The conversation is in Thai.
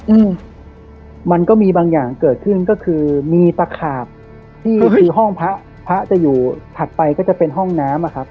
อืมมันก็มีบางอย่างเกิดขึ้นก็คือมีตะขาบที่คือห้องพระพระจะอยู่ถัดไปก็จะเป็นห้องน้ำอะครับ